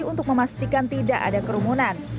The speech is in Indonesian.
untuk memastikan tidak ada kerumunan